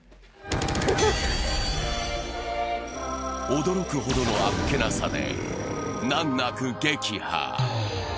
驚くほどのあっけなさで、難なく撃破。